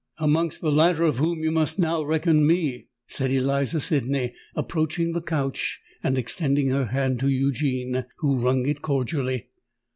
"Amongst the latter of whom you must now reckon me," said Eliza Sydney, approaching the couch, and extending her hand to Eugene, who wrung it cordially.